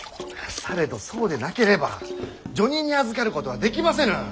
されどそうでなければ叙任にあずかることはできませぬ！